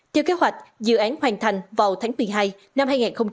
theo kế hoạch dự án hoàn thành vào tháng một mươi hai năm hai nghìn hai mươi